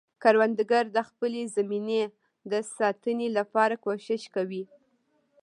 کروندګر د خپلې زمینې د ساتنې لپاره کوښښ کوي